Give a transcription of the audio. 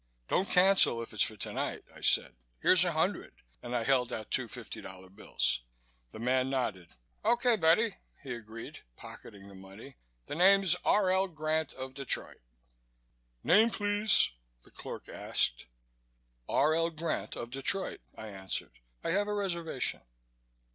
"Don't cancel, if it's for tonight," I said, "Here's a hundred," and I held out two fifty dollar bills. The man nodded. "Okay, buddy," he agreed, pocketing the money. "The name's R. L. Grant of Detroit." "Name, please," the clerk asked. "R. L. Grant of Detroit," I answered. "I have a reservation."